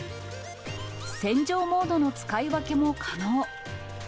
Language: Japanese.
洗浄モードの使い分けも可能。